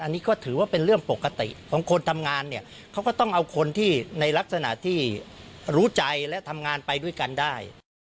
อันนี้ก็ถือว่าเป็นเรื่องปกติของคนทำงานเนี่ยเขาก็ต้องเอาคนที่ในลักษณะที่รู้ใจและทำงานไปด้วยกันได้